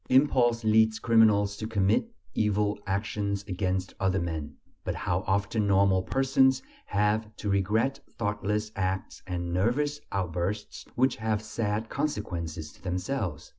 Impulse leads criminals to commit evil actions against other men; but how often normal persons have to regret thoughtless acts and nervous outbursts which have sad consequences to themselves!